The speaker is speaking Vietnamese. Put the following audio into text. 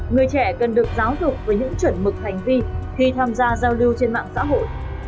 người trẻ cần được giáo dục với những chuẩn mực hành vi khi tham gia giao lưu trên mạng xã hội